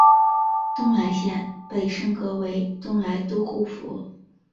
东莱县被升格为东莱都护府。